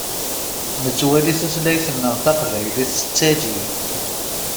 Nettwali tutlayt-nneɣ taqbaylit tettali.